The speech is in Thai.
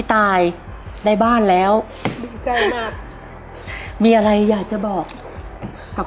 ถูกครับ